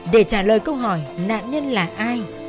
để trả lời câu hỏi nạn nhân là ai